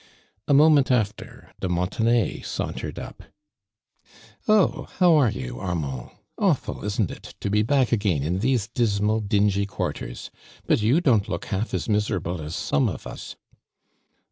A moment after de Montenay sauntered up. " Uh ! how are you, Armand ? Awful, is'nt it. to be back agiun in these dismal dingy quarters'/ But you don' t look half as miser able as some of us!"